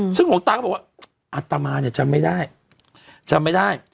ซึ่งหัวตาก็บอกว่าอัตตามาจำไม่ได้